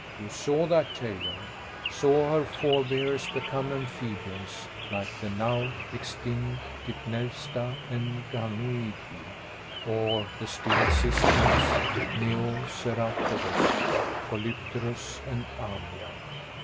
You saw that, Taylor saw her forebears become amphibians, like the now extinct Dipneusta and Ganoideii, or the still existing Neoceratodus, Polypterus and Amia.